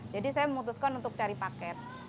jadi saya memutuskan untuk cari paket